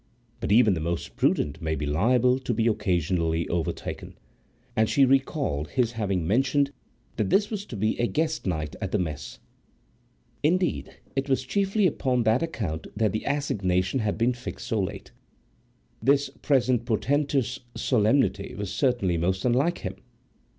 But even the most prudent may be liable to be occasionally overtaken. And she recalled his having mentioned that this was to be a guest night at the mess. Indeed, it was chiefly upon that account that the assignation had been fixed so late. This present portentous solemnity was certainly most unlike him.